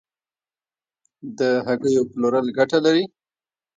د هګیو پلورل ګټه لري؟